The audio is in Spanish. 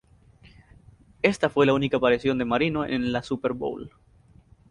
Está fue la única aparición de Marino en la Super Bowl.